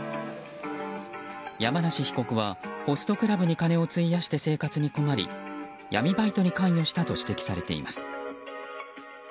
山梨被告はホストクラブに金を費やして生活に困り闇バイトに関与したと指摘されています。